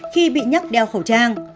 khi bị nhắc đeo khẩu trang